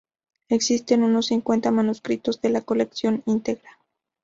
Existen unos cincuenta manuscritos de la colección íntegra.